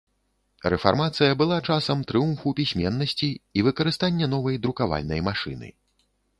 Рэфармацыя была часам трыумфу пісьменнасці і выкарыстанне новай друкавальнай машыны.